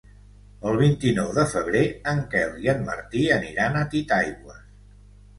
El vint-i-nou de febrer en Quel i en Martí aniran a Titaigües.